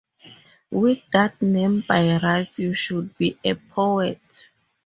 With that name by rights you should be a poet.